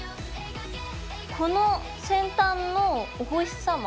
この先端のお星さま？